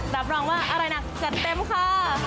รับรองว่าอะไรหนักจะเต็มค่ะ